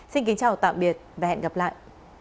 xin kính chào tạm biệt và hẹn gặp lại